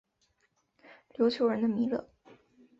琉球人的弥勒。